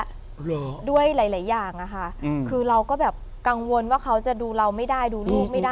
เหรอด้วยหลายอย่างอะค่ะคือเราก็แบบกังวลว่าเขาจะดูเราไม่ได้ดูลูกไม่ได้